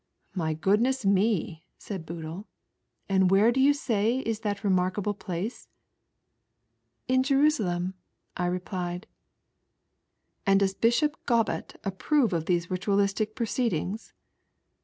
"My goodness me!" said Boodle. "And where do you say is that remarkable place?" " In Jerusaleui," I replied. " And does Bishop Gobat approve of these ritualistic proceedings?"